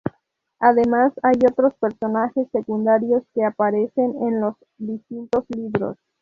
Además hay otros personajes secundarios que aparecen en los distintos libros.